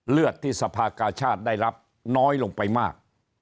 เลือดที่สภากาชาติได้รับน้อยลงไปมาก